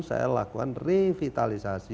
saya lakukan revitalisasi